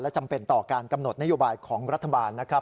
จำเป็นต่อการกำหนดนโยบายของรัฐบาลนะครับ